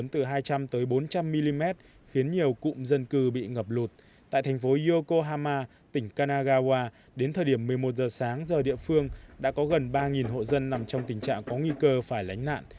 thành phố yokohama tỉnh kanagawa đến thời điểm một mươi một giờ sáng giờ địa phương đã có gần ba hộ dân nằm trong tình trạng có nguy cơ phải lánh nạn